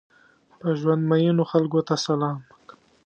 په ژوند مئینو خلکو ته سلام!